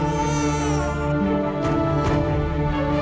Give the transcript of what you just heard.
saya akan menangkan dia